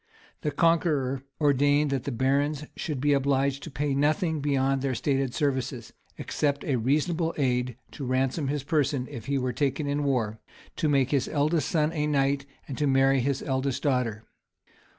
The Conqueror ordained that the barons should be obliged to pay nothing beyond their stated services,[] except a reasonable aid to ransom his person if he were taken in war, to make his eldest son a knight, and to marry his eldest daughter.